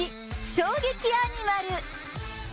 衝撃アニマル。